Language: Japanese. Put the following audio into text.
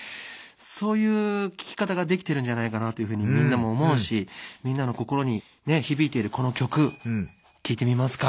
そういう聴き方ができてるんじゃないかなというふうにみんなも思うしみんなの心に響いているこの曲聴いてみますか。